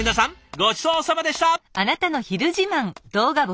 ごちそうさまでした！